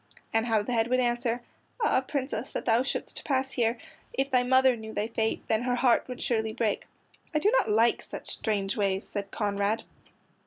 And how the head would answer: "Ah, Princess that thou shouldst pass here! If thy mother knew thy fate, Then her heart would surely break." "I do not like such strange ways," said Conrad.